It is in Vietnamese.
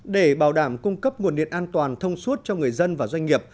để bảo đảm cung cấp nguồn điện an toàn thông suốt cho người dân và doanh nghiệp